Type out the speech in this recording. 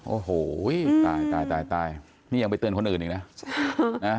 โอ้โหตายตายตายนี่ยังไปเตือนคนอื่นอีกนะ